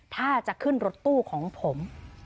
ถ้าจะขึ้นรถตู้ของผม